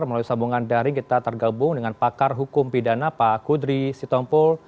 melalui sambungan daring kita tergabung dengan pakar hukum pidana pak kudri sitompul